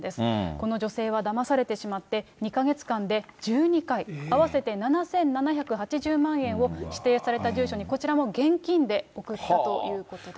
この女性はだまされてしまって、２か月間で１２回、合わせて７７８０万円を指定された住所に、こちらも現金で送ったということです。